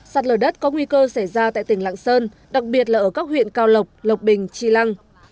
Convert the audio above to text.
sạt lở đất có nguy cơ xảy ra tại tỉnh lạng sơn đặc biệt là ở các huyện cao lộc lộc bình tri lăng